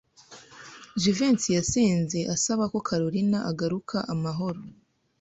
Jivency yasenze asaba ko Kalorina agaruka amahoro.